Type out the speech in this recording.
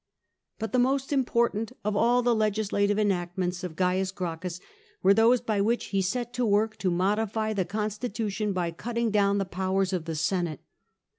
But the most important of all the legislative enactments of Oaius Gracchus were those by which he set to work to modify the constitution, by cutting down the powers of the Senate.